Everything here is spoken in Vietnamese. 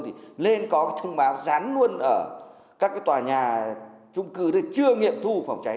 thì nên có thông báo rán luôn ở các tòa nhà trung cư chưa nghiệm thu phòng cháy